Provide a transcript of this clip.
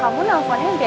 kamu nelfonnya gajah